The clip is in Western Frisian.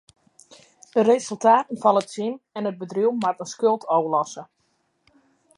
De resultaten falle tsjin en it bedriuw moat in skuld ôflosse.